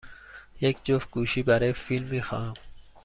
یک جفت گوشی برای فیلم می خواهم.